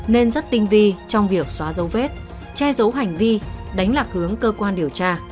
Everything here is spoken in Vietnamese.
nên rất tinh vi trong việc xóa dấu vết che dấu hành vi đánh lạc hướng cơ quan điều tra